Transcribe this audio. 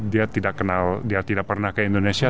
dia tidak pernah ke indonesia